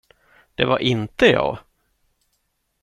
Det var inte jag.